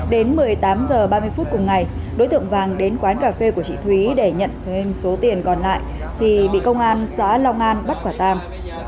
đến một mươi tám h ba mươi phút cùng ngày đối tượng vàng đến quán cà phê của chị thúy để nhận thêm số tiền còn lại thì bị công an xã long an bắt quả tang